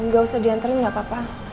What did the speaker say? gak usah diantarin nggak apa apa